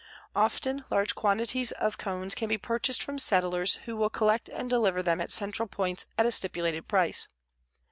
Often large quantities of cones can be purchased from settlers who will collect and deliver them at central points at a stipulated price.